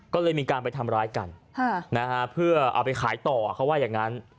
ก็เลยมีการไปทำร้ายกันเพื่อเอาไปขายต่อเขาว่าอย่างนั้น